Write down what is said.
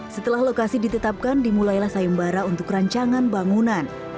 setelah lokasi ditetapkan dimulailah sayembara untuk rancangan bangunan